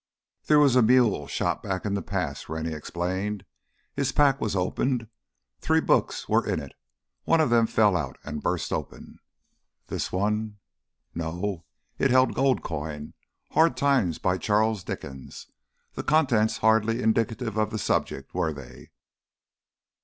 "There was a mule shot back in the pass," Rennie explained. "His pack was opened. Three books were in it—one of them fell out and burst open." "This one?" "No, it held gold coin. Hard Times by Charles Dickens—the contents hardly indicative of the subject, were they?